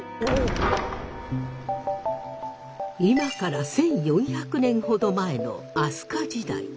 今から１，４００年ほど前の飛鳥時代。